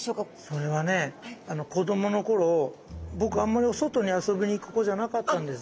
それはね子どもの頃僕あんまりお外に遊びに行く子じゃなかったんです。